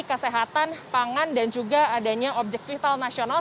kesehatan pangan dan juga adanya objek vital nasional